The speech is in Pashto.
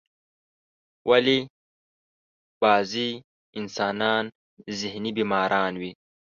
ولی بازی انسانان ذهنی بیماران وی ؟